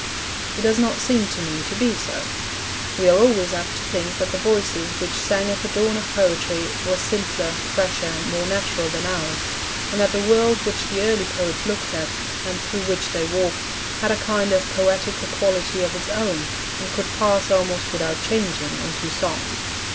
It does not seem to me to be so. We are always apt to think that the voices which sang at the dawn of poetry were simpler, fresher, and more natural than ours, and that the world which the early poets looked at, and through which they walked, had a kind of poetical quality of its own, and could pass, almost without changing, into song.